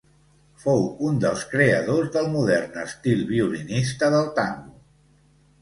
Fou un dels creadors del modern estil violinista del tango.